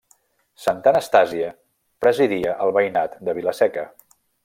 Santa Anastàsia presidia el veïnat de Vila-seca.